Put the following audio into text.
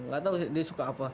gak tau dia suka apa